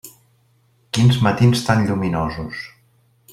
Quins matins tan lluminosos.